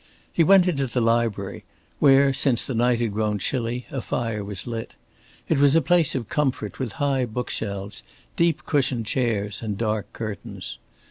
He went into the library where, since the night had grown chilly, a fire was lit. It was a place of comfort, with high bookshelves, deep cushioned chairs, and dark curtains.